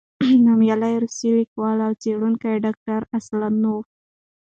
نومیالی روسی لیکوال او څېړونکی، ډاکټر اسلانوف،